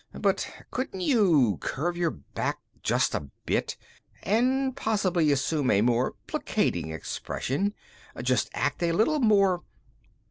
But couldn't you curve your back just a bit and possibly assume a more placating expression? Just act a little more...."